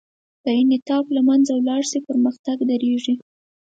که انعطاف له منځه ولاړ شي، پرمختګ درېږي.